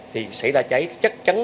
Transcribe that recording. thì xảy ra cháy chắc chắn